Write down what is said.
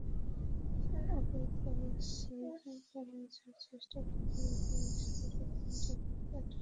অপর পাঁচ-ছয়জন পালিয়ে যাওয়ার চেষ্টা করলে এলাকাবাসী আরও তিন ডাকাতকে আটক করেন।